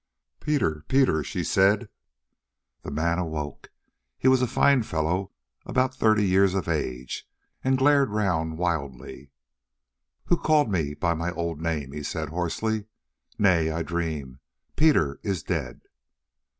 "Peter, Peter," she said. The man awoke—he was a fine fellow about thirty years of age—and glared round wildly. "Who called me by my old name?" he said hoarsely. "Nay, I dream, Peter is dead."